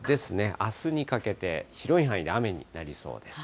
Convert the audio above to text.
あすにかけて、広い範囲で雨になりそうです。